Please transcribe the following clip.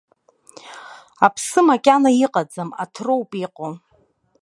Аԥсы макьана иҟаӡам, аҭроуп иҟоу.